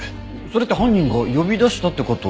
それって犯人が呼び出したって事？